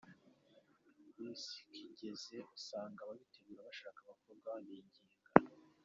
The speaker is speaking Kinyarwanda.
Miss kigeze, usanga ababitegura bashakisha abakobwa babinginga.